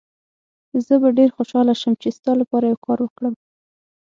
زه به ډېر خوشحاله شم چي ستا لپاره یو کار وکړم.